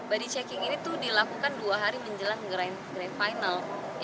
body checking ini dilakukan dua hari menjelang grand final